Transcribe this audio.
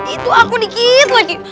itu aku dikit lagi